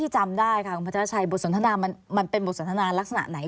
ใช่ค่ะคุณพระเจ้าชัยบทสนทนามันเป็นบทสนทนาลักษณะไหน